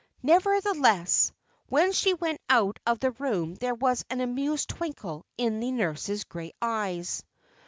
Nevertheless, when she went out of the room there was an amused twinkle in the nurse's grey eyes.